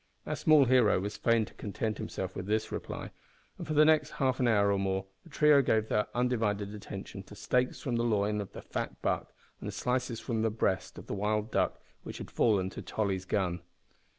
Our small hero was fain to content himself with this reply, and for the next half hour or more the trio gave their undivided attention to steaks from the loin of the fat buck and slices from the breast of the wild duck which had fallen to Tolly's gun.